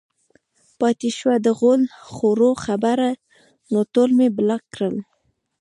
پاتې شوه د غول خورو خبره نو ټول مې بلاک کړل